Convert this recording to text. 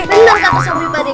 bener kata sobi pakde